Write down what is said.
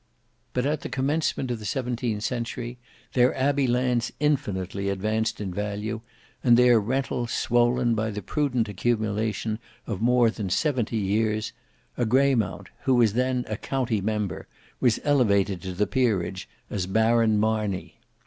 But at the commencement of the seventeenth century, their abbey lands infinitely advanced in value, and their rental swollen by the prudent accumulation of more than seventy years, a Greymount, who was then a county member, was elevated to the peerage as Baron Marney.